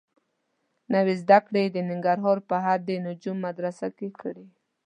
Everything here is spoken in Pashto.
نورې زده کړې یې د ننګرهار په هډې نجم المدارس کې کړې.